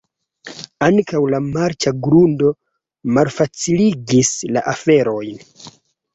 Ankaŭ la marĉa grundo malfaciligis la aferojn.